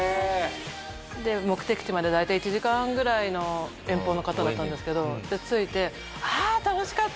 目的地まで大体１時間ぐらいの遠方の方だったんですけど着いて「あー楽しかった！